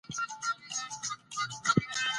ګاز د افغانستان د ځمکې د جوړښت نښه ده.